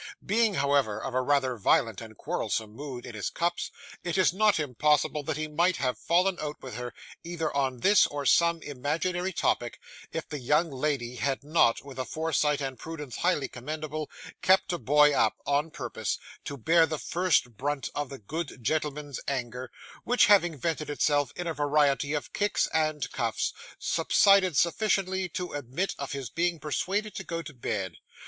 Being, however, of a rather violent and quarrelsome mood in his cups, it is not impossible that he might have fallen out with her, either on this or some imaginary topic, if the young lady had not, with a foresight and prudence highly commendable, kept a boy up, on purpose, to bear the first brunt of the good gentleman's anger; which, having vented itself in a variety of kicks and cuffs, subsided sufficiently to admit of his being persuaded to go to bed.